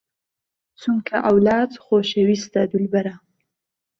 چومکه عەولاد خۆشهويسته دولبەره